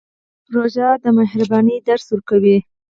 روژه د مهربانۍ درس ورکوي.